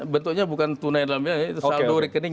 bentuknya bukan tunai dalamnya itu saldo rekening